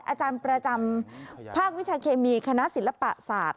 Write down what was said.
อาจารย์ประจำภาควิชาเคมีคณะศิลปศาสตร์